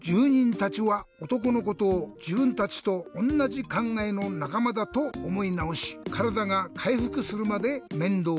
たちはおとこのことをじぶんたちとおんなじかんがえのなかまだとおもいなおしからだがかいふくするまでめんどうをみた。